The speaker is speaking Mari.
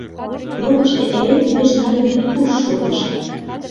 Рокышто эре кӱлеш наре вӱд пуш шогыжо.